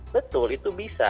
betul itu bisa